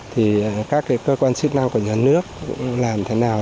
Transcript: thì các cơ quan chức năng của nhà nước cũng làm thế nào